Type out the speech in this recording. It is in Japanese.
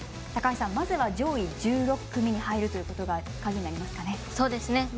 高橋さん、まずは上位１６組に入るということが鍵になりますかね？